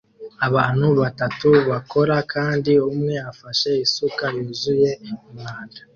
Abantu batatu bakora kandi umwe afashe isuka yuzuye umwanda